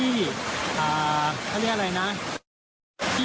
ไปกับหลังไว้แล้วคือ